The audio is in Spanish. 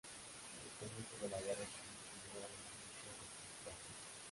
Al comienzo de la Guerra civil se unió a las milicias republicanas.